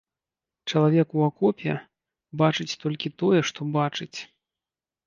Чалавек у акопе бачыць толькі тое, што бачыць.